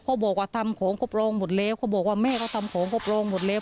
เขาบอกว่าทำของก็ปรองหมดแล้วเขาบอกว่าแม่เขาทำของครอบรองหมดแล้ว